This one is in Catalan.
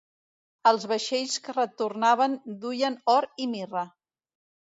El vaixells que retornaven duien or i mirra.